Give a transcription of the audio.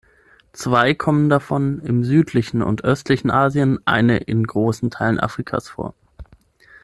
Zwei kommen davon im südlichen und östlichen Asien, eine in großen Teilen Afrikas vor.